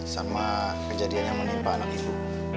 sama kejadian yang menimpa anak ibu